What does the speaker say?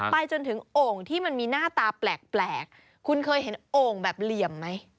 ไปจนถึงโอ่งที่มันมีหน้าตาแปลกคุณเคยเห็นโอ่งแบบเหลี่ยมไหม